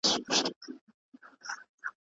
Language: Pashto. د غريبانو لاسنيوی د هر چا دنده ده.